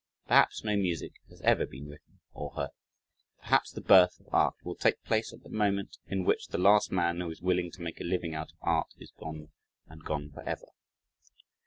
Perhaps no music has ever been written or heard. Perhaps the birth of art will take place at the moment, in which the last man, who is willing to make a living out of art is gone and gone forever.